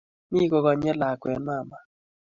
Mi koganyi lakwet mama